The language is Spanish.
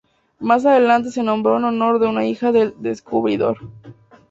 Más adelante se nombró en honor de una hija del descubridor.